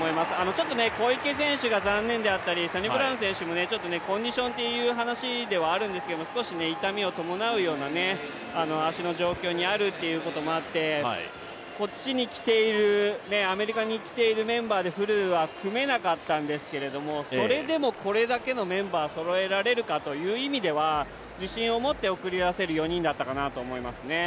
ちょっと小池選手が残念であったり、サニブラウン選手もちょっとコンディションていう話ではあるんですけれども少し痛みを伴うような足の状況にあるということもあってアメリカに来ているメンバーでフルは組めなかったんですが、それでもこれだけのメンバーそろえられるかという意味では自信を持って送り出せる４人だったかなと思いますね。